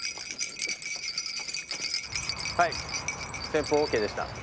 はい先方ＯＫでした。